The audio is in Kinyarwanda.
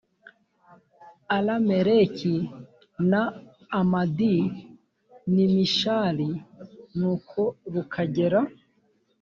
alameleki na amadi n i mishali nuko rukagera